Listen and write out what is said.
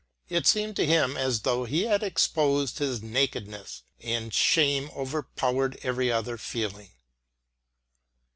It seemed to him as though he had exposed his nakedness, and shame overpowered every other feeling.